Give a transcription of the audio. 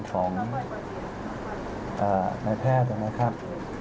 ขอบคุณพี่ด้วยนะครับ